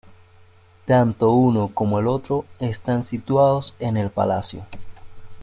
Tanto uno como el otro están situados en el Palacio.